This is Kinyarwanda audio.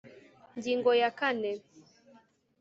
ngingo ya kane